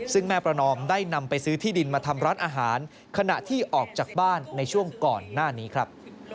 ซึ่งแม่ประนอมได้นำไปซื้อที่ดินมาทำร้านอาหารขณะที่ออกจากบ้านในช่วงก่อนหน้านี้ครับ